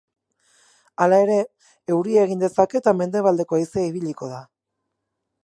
Hala ere, euria egin dezake eta mendebaldeko haizea ibiliko da.